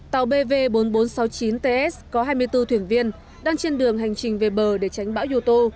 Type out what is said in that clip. tàu bv bốn nghìn bốn trăm sáu mươi chín ts có hai mươi bốn thuyền viên đang trên đường hành trình về bờ để tránh bão dù tô